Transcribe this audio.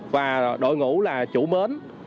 và đội ngũ là chủ bến